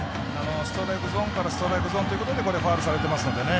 ストライクゾーンからストライクゾーンということでこれはファウルされてますのでね。